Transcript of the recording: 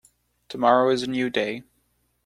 Tomorrow is a new day.